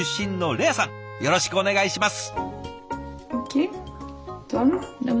よろしくお願いします。